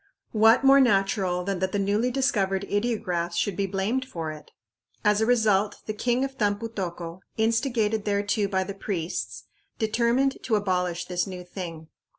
What more natural than that the newly discovered ideographs should be blamed for it? As a result, the king of Tampu tocco, instigated thereto by the priests, determined to abolish this new thing.